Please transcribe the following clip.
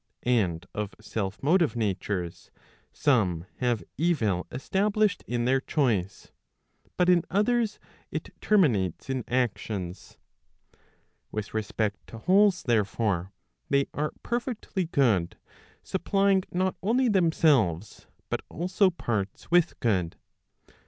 And of self motive natures, some have evil established in their choice; but in others, it termi¬ nates in actions. With respect to wholes therefore, they are perfectly good, supplying not only themselves, but also parts with good.